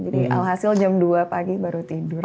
jadi alhasil jam dua pagi baru tidur